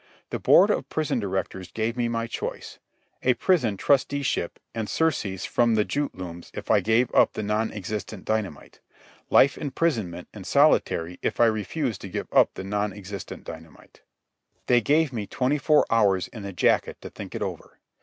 The Board of Prison Directors gave me my choice: a prison trustyship and surcease from the jute looms if I gave up the non existent dynamite; life imprisonment in solitary if I refused to give up the non existent dynamite. They gave me twenty four hours in the jacket to think it over.